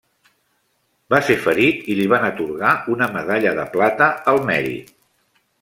Va ser ferit i li van atorgar una medalla de plata al mèrit.